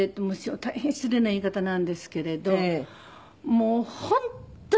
大変失礼な言い方なんですけれどもう本当に嫌だったんですよ。